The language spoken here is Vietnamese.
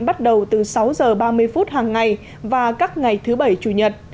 bắt đầu từ sáu h ba mươi phút hàng ngày và các ngày thứ bảy chủ nhật